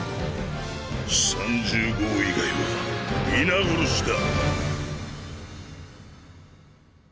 ３０号以外は皆殺しだ。